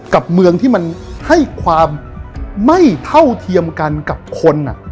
กับเมืองที่มันให้ความไม่เท่าเทียมกันกับคน